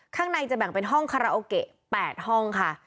ข้างในจะแบ่งเป็นห้องคาราโอเกะ๘ห้องค่ะ